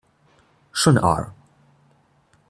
順耳